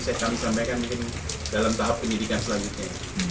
setan sampaikan mungkin dalam tahap pendidikan selanjutnya